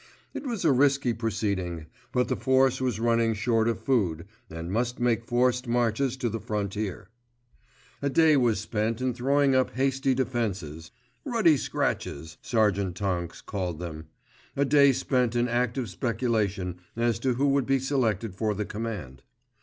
It was a risky proceeding; but the force was running short of food, and must make forced marches to the frontier. A day was spent in throwing up hasty defenses ("Ruddy scratches," Sergeant Tonks called them), a day spent in active speculation as to who would be selected for the command.